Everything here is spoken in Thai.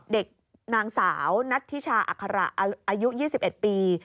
เด็กนางสาวนัทธิชาอัคระอายุ๒๑ปี